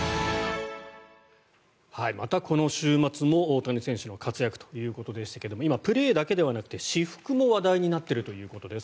またこの週末も大谷選手の活躍ということでしたがプレーだけではなくて私服も話題になっているということです。